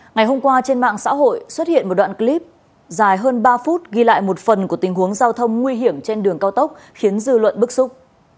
ngày hôm qua trên mạng xã hội xuất hiện một đoạn clip dài hơn ba phút ghi lại một phần của tình huống giao thông nguy hiểm trên đường cao tốc khiến dư luận bức xúc